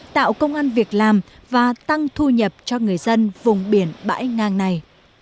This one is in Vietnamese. tạo công an việc làm và tăng thu nhập cho người dân vùng biển bãi ngang này